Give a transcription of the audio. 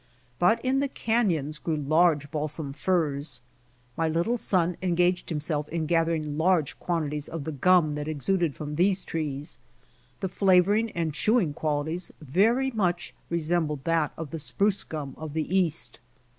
But in the canyons grew large balsam firs. My little son engaged himself in gather ing large quantities of the gum that exuded from these trees. The flavoring and chewing qualities very much resembled that of the spruce gum of the East.